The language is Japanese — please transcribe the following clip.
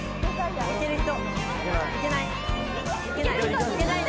いけない？